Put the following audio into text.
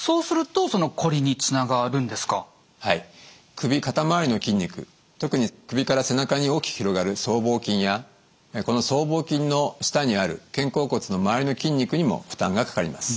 首肩周りの筋肉特に首から背中に大きく広がる僧帽筋やこの僧帽筋の下にある肩甲骨の周りの筋肉にも負担がかかります。